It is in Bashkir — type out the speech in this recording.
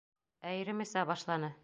Ә ирем эсә башланы.